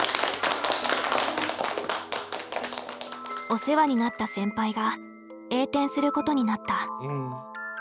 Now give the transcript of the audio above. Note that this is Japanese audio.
お世話になった先輩が栄転することになった。